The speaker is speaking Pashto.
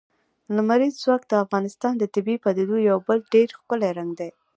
لمریز ځواک د افغانستان د طبیعي پدیدو یو بل ډېر ښکلی رنګ دی.